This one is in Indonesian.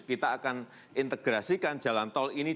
kita akan integrasikan jalan tol ini